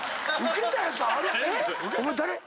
お前誰？